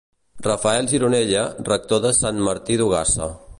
Rafael Gironella, rector de Sant Martí d'Ogassa.